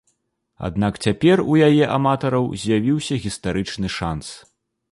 Аднак цяпер у яе аматараў з'явіўся гістарычны шанс.